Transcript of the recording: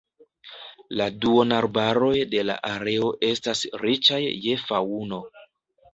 La duonarbaroj de la areo estas riĉaj je faŭno.